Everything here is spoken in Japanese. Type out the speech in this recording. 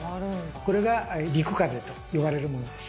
これが「陸風」と呼ばれるものです。